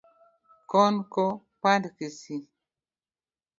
Kon ko pand kisii